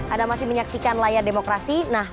anda masih menyaksikan layar demokrasi